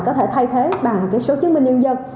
có thể thay thế bằng cái số chứng minh nhân dân